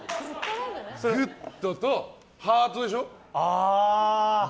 グッドとハートでしょ。